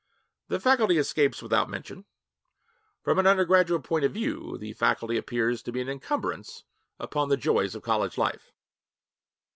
The faculty escapes without mention. 'From an undergraduate point of view' the faculty appears to be an incumbrance upon the joys of college life.